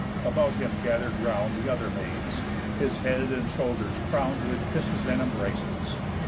About him gather'd round The other maids; his head and shoulders crown'd With kisses and embraces.